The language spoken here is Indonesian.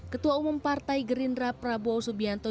ketua umum partai gerindra prabowo subianto